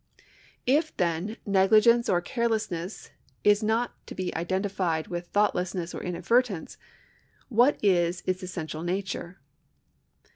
If, then, negligence or carelessness is not to be identified with thoughtlessness or inadvertence, what is its essential nature